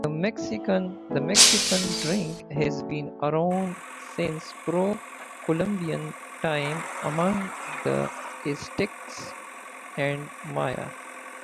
The Mexican drink has been around since pre-Columbian times, among the Aztecs and Maya.